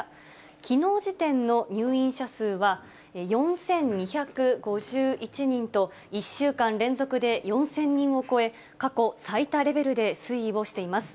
きのう時点の入院者数は４２５１人と、１週間連続で４０００人を超え、過去最多レベルで推移をしています。